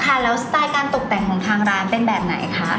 ค่ะแล้วสไตล์การตกแต่งของทางร้านเป็นแบบไหนคะ